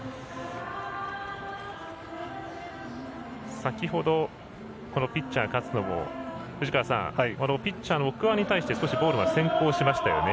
先ほど、ピッチャー勝野もピッチャーの奥川に対してボールが先行しましたよね。